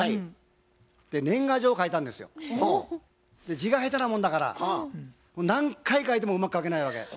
字が下手なもんだから何回書いてもうまく書けないわけ。